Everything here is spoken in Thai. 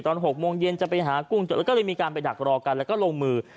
๖โมงเย็นจะไปหากุ้งจดแล้วก็เลยมีการไปดักรอกันแล้วก็ลงมือ